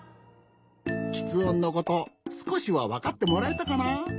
きつ音のことすこしはわかってもらえたかな？